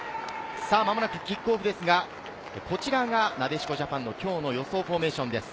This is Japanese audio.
間もなくキックオフですがこちらがなでしこジャパンのきょうの予想フォーメーションです。